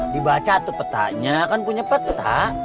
dibaca tuh petanya kan punya peta